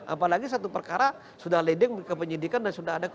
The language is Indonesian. apalagi satu perkara sudah leading ke penyidikan dan sudah ada